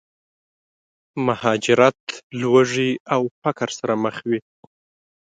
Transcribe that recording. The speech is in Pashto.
مهاجرت، لوږې او فقر سره مخ وي.